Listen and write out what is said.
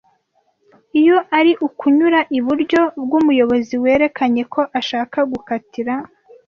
iyo ari ukunyura i buryo bw’umuyobozi werekanye ko ashaka gukatira